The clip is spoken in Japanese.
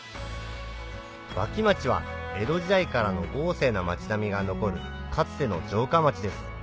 脇町は江戸時代からの豪勢な町並みが残るかつての城下町です